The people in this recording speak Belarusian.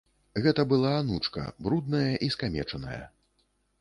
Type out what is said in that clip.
Гэта была анучка, брудная і скамечаная.